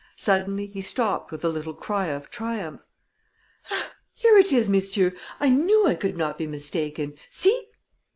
Suddenly, he stopped with a little cry of triumph. "Here it is, messieurs! I knew I could not be mistaken! See!"